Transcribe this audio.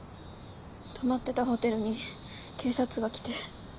泊まってたホテルに警察が来て。